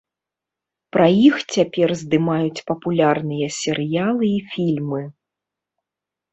Пра іх цяпер здымаюць папулярныя серыялы і фільмы.